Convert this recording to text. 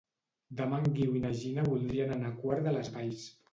Demà en Guiu i na Gina voldrien anar a Quart de les Valls.